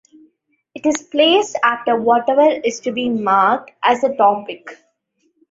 It is placed after whatever is to be marked as the topic.